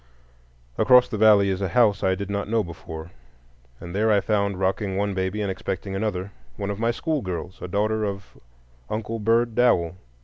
Across the valley is a house I did not know before, and there I found, rocking one baby and expecting another, one of my schoolgirls, a daughter of Uncle Bird Dowell.